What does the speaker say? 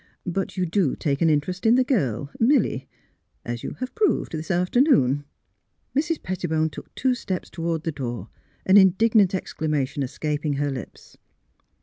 But you do take an interest in the girl, Milly, as you have proved this afternoon." Mrs. Pettibone took two steps toward the door, an indignant exclamation escaping her lips.